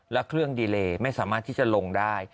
และเครื่องดีเลไม่สามารถที่จะลงได้